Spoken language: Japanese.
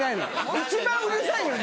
一番うるさいのに？